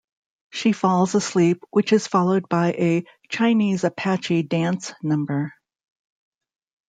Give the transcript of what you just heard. She falls asleep, which is followed by a "Chinese Apache Dance" number.